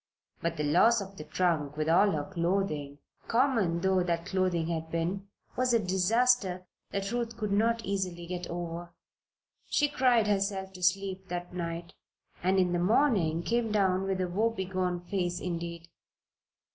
But the loss of the trunk, with all her clothing common though that clothing had been was a disaster that Ruth could not easily get over. She cried herself to sleep that night and in the morning came down with a woebegone face indeed.